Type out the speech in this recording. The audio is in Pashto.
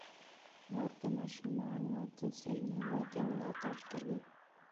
مور د ماشومانو د ذهني ودې ملاتړ کوي.